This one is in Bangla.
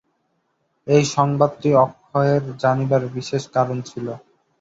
এই সংবাদটি অক্ষয়ের জানিবার বিশেষ কারণ ছিল।